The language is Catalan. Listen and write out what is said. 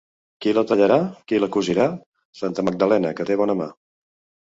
Qui la tallarà? Qui la cosirà? Santa Magdalena, que té bona mà.